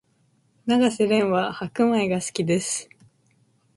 永瀬廉は白米が好きです